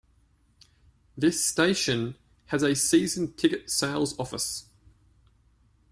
This station has a season ticket sales office.